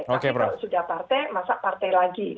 tapi kalau sudah partai masa partai lagi